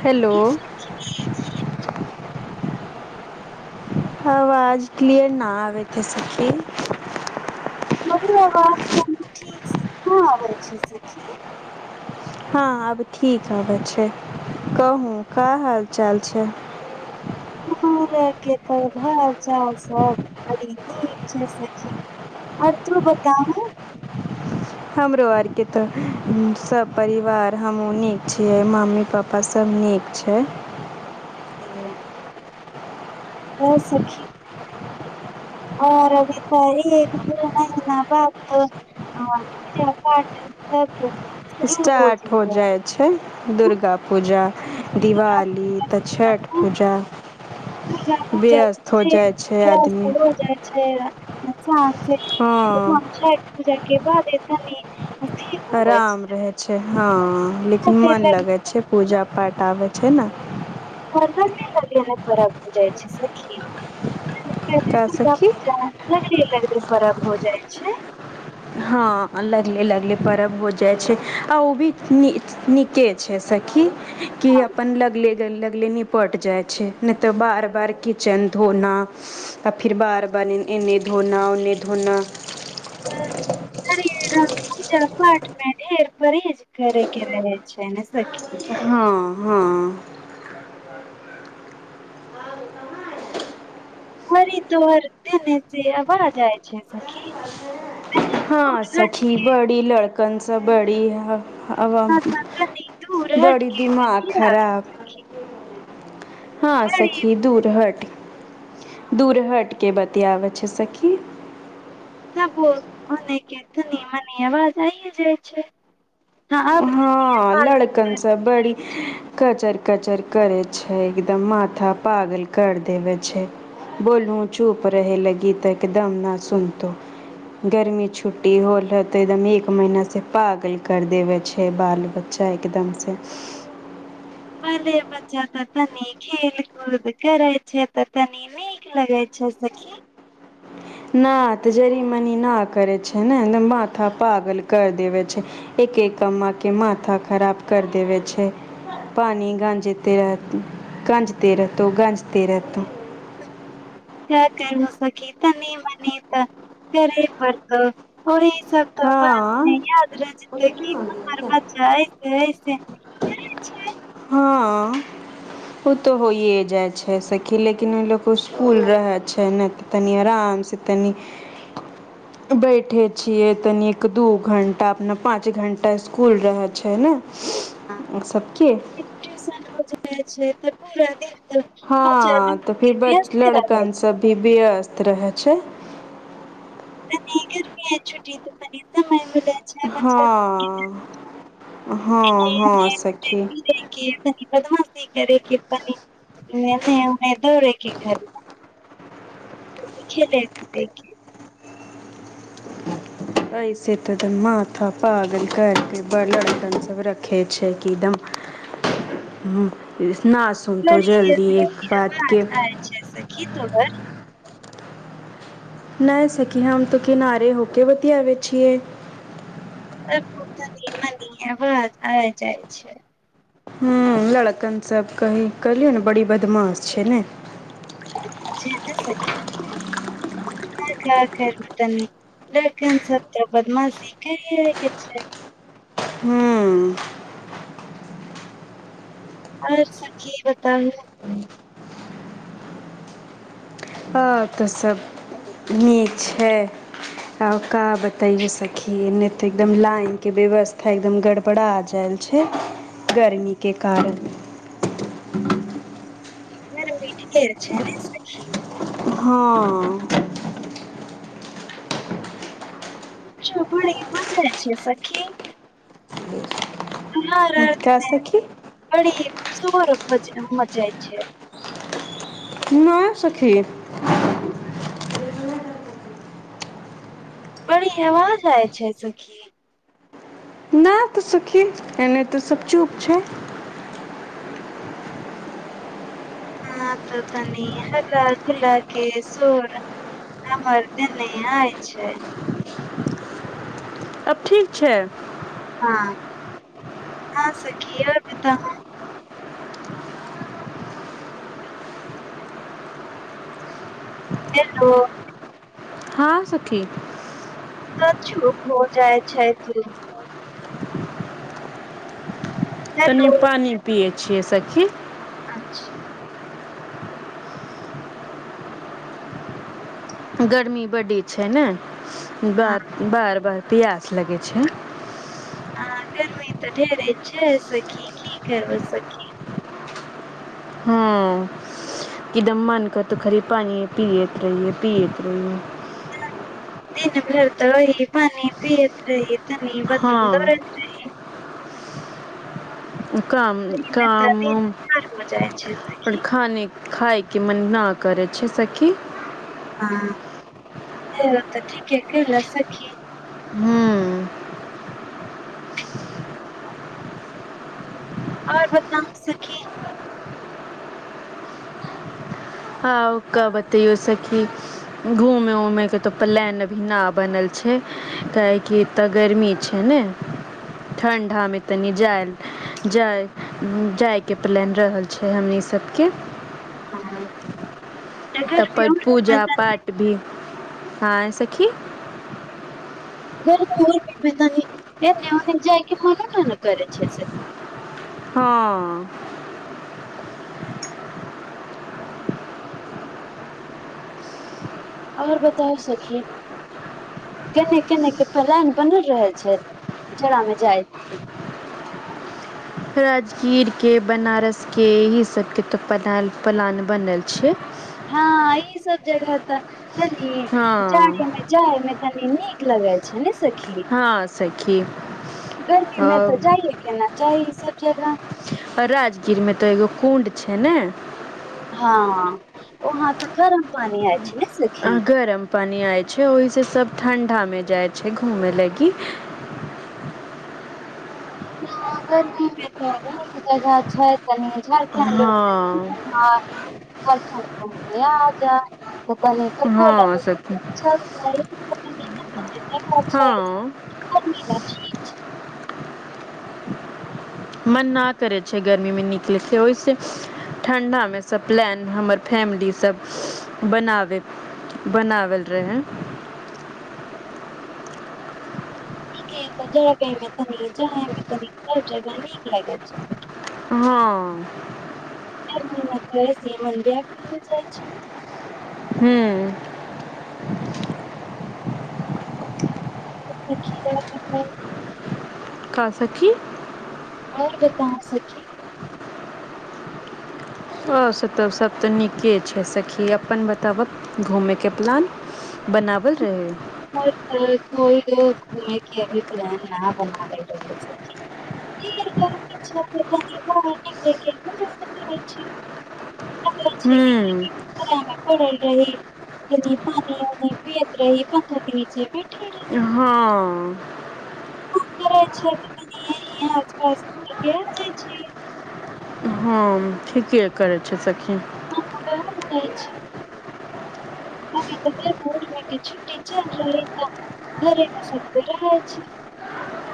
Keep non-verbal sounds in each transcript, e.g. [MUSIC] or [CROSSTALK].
Hello आवाज clear न आ त सखी। ब आवाज ीक हँ आबै छै [UNINTELLIGIBLE] हँ आब ठीक हबै छै कहू का हाल चाल छै मार के तऽ भाा सब बड़ी न सखी आओर तू बताउ [UNINTELLIGIBLE] हमरो आरके तऽ सभ परिवार हमहूँ नीक छियै मम्मी पाप्पा सभ नीक छै त सी आओर सखि अभी तार एक दू महीना बाद पूजा पाठ सब शुरू स्टार्ट हो जेतै जाइ छै दुर्ग पूजा दिवाली तऽ छठि पूजा, दुर्गा पूजा व्यस्त हो से जाइ छै आदमी। अच्छा समसा हँ जा [UNINTELLIGIBLE] के ब देतानी आराम रहै छै हँ लेकिन मन छै लगैत छै पूजा पाठ आबे छै ने प लै हो जाइ छै से ीक त जसै का सखी [UNINTELLIGIBLE] खराब हो जाइ छै हँ लगले लगले पर्व हो जाइ छै आ ओ भी न नीके छै सखी कि अपनन लगले गल लगले निपट जाइ छै नहि तऽ बार बार किचन धोना आ फेर बार बार एन्ने धोना ओन्ने धोना हँ पूजा पाँठ मे ढेर परहेज करे के रह छै ने सखी हँ हँ क तोर देने से अबाँ जाइ छै सखी हँ दूर हट सखी बड़ी लड़क कनस बड़ी है आ ना तनी दूर हट बड़ी के दिमाग किया खराब हँ बड़ी सखी दूर हट दूर हटिके बतियाबै छै सखी क [UNINTELLIGIBLE] धनी मनी अवाज आइ जाइ छै हँ आब हँ तऽ लड़कन से बड़ी कजर कचर करे छै एकदम माथा पागल कर देवे छै बोलहुू चुप रहे लागी तऽ एकदम न सुनतो गर्मी छुट्टी होल तऽ एकदम एक महीना से पागल कर देवे छै छै बाल बच्चा एकदम सँ बाले बच्चा तऽ तनी खेल कूद करै छै तऽ तनी नीक लगै छै सखी न त जड़ मनी न करै छै ने त माथा पागल कर देव छै एक एक कम आ के माथा खराब कर देव छै पानी गंजते रहत गंजते रतो गंजते रतो क कर सकी तनी मनी त करे पड़तर सब त बात हाँ नहि याद रह जेते क हमर बच्चा ऐसे ऐसे छै हँ ओ तऽ होइ जाइ छै सखी लेकिन ओ ल इकुल रहै छै नहि तऽ तनी आराम से तनि बैठे छियै तनी एक दू घण्टा अपना पाँच घण्टा इसकुल रहै छै ने ह सबके [UNINTELLIGIBLE] छै भरपू रद हँ तऽ फिर ब रहै लड़कन छै सब भी व्यस्त रहै छै छुट्टीऽ परसय हँ हँ हँ सखी नी बद्मशी करै दौड़े कि घरी देख देख एहिसेत्र माथा पागल करिके बड़दन सब रखे छै किदम नहि ब छै सखी त घर नहि सकी हम तऽ किनारे होके वतिया बेै छीए। दे ब आ जाइ छै। ह लड़कन सब की करलियौ ने बड़ी बदमाश छै ने छैी तऽ स ह ख खरब तनी दकन सत्य बदमाासी कके छै हू आओर सबी बताउू हँ तऽ सभ नीक छै, आका बताैयओ सखी नहि तऽ एकदम लाइनके व्यवस्था एकदम गड़बड़ा जायल छै, गर्मी के कारण वीट हां भ ई म जाइ छै सखी ह का सखी बड़ी सोर म मजाइ छै नओ सखी बड़ी हव जाइ छै सुखी न तऽ सखी एने तऽ स चूप छै हँ तऽ तनी हका गुला के सर हमर देने आय छै आब ठीक छै। हँ हँ सखी आऊ बतावा हेलो हँ सखी तऽ चुप हो जाइ छै तू तनी हेलो पानि पीए छ सखी अच्छा गर्मी बडी छै ने हँ बर बार बार पियास लगै छै ह गर्व तऽ ढेर छै सखी खी करर्ब सखी हँ एकदम मन कर तऽ खरी पानि पियैत रहिै पीैत रहिए दिन भरदा होइ पानी पीत रह बात रूम दर हँ काम, एहिमे तऽ दिन काम-उम ठाढ़ हो जाइ छै और सखी खाने खाय के मन ना करै छै सखी। हाँ एहो ते ठीके कयला सखी। हुं। और बताउ सखी। आउ का बतैयौ सखी घूमे-उमय के तऽ प्लान अभी ना बनल छै, काहेकि एता गर्मी छै नै, ठंढा मे तनी जाएल जाय, जायके प्लान रहल छै हमनी सबके। ह तब पूजा गर्मी पाठ भी हँ सखी घर तनी एक ववथ जा के मना काहे नै करै छै से। हँ [INAUDIBLE] और बताउ सखी केने-केने के पलान बनल रहल छै, जड़ा मे जाय राजगीर के, बनारस के इही सबके तो पलान प्लान बनल छै। हाँ ई सब जगह तऽ तनी जाड़े हँ मे जाय मे तनी नीक लगाय छै नै स खी हँ सखी गर्मी मे तऽ जायये के ना चाही। सब जगह अ राजगीर मे तऽ एगो कुण्ड छै नै। हाँ उहाँ तो गरम पानी हय। छै नै सखी। गरम पानी आय छै ओहि से सब ठंडा मे जाय छै घूमै लगी। इहाँ गरमी मे तऽ अनेक जगह छै। तनी झारखण्ड हँ [UNINTELLIGIBLE] आ जा। त कहली हँ सखी हँ मन ना करै छै गर्मीमे निकलै के, ओय से ठंढा मे सब प्लान हमर फैमिली सब बनावे बनावल रहै। ठीके तऽ जाड़ा टाइम मे तनी जाय मे तनी सब जगह नीक लागे छै। हाँ। गरमी मे कहै छीये मन व्याकुल हो जाय छै। ह्म्म। त सखी रात भर का सखी। और बताओ सखी। और सब ते सब ते नीके छै सखी, अपन बताबा घूमयके प्लान बनावल रहै। घर पे कोई घूमे के अभी प्लान ना बनावे रहै छै, [UNINTELLIGIBLE] छी। ह्म्म। उहाए हमरा कहै रही यदि पानियो नै पियत रही। ओता कहै छीये बैठेले। हाँ। घूमते रहै छीये दीदी यही आस-पास घूम के आ जाय छी। हम ठीके करे छीये सखी। [UNINTELLIGIBLE] जाय छै। [UNINTELLIGIBLE] बहुरिया के छुट्टी चल रहलै त घरे मे सब रहै छी।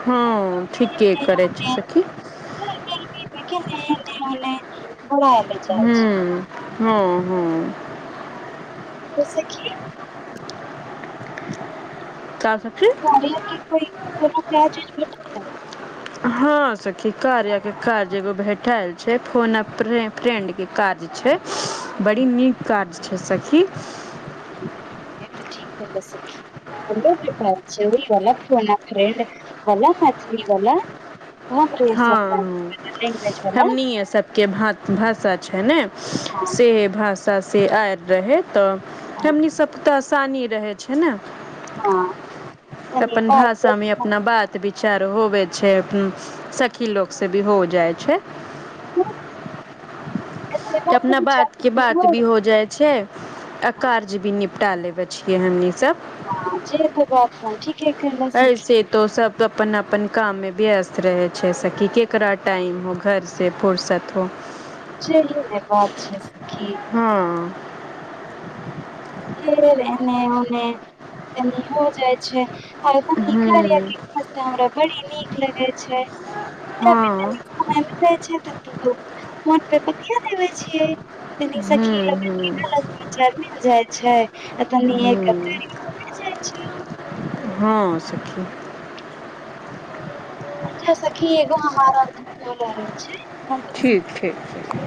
हू [UNINTELLIGIBLE] [UNINTELLIGIBLE] ह्म्म, हाँ। हुं। ओ सखी। काफ कारके कोइ कोरा प्यज ह हँ सखी कार आके काज एगो भेटल छै फोन फ्रेंडके काज छै बड़ी नीक काज छै सखी। तीीला फना फ्र वलाथी वला हँ ह वाला हमनि सबके भाषा छै ने हाँ से भाषा ँ आय रहथि तऽ हमनी सबफता सानी रहै छै ने हँनी चार होब छै सखी लोकसँ भी हो जाइ छै। ह अपना बात के बात भी हो जाइ छै। आ कारज भी निपटा लेब छियै हमनी सब ह जे त बात ठीक ह ऐसे तो सब अपन अपन काममे व्यस्त रहै छै, सखी ककरा टाइम हो घरसँ फुरसत हो। चल बात छै सखी हँ [UNINTELLIGIBLE] फेर एने ओनेनी हो जाइ छै आ न हूँ हमरा बड़ी नीक लगे छै हँ मटर क किया देबे छियै हू हू ज छै आ तनी एक छै हँ सखी। अच्छा सखी एगो हमरा फोल आ छै हम तनी ठीक ठीक से